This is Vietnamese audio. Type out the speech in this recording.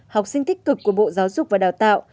học sinh tích cực của bộ giáo dục và đào tạo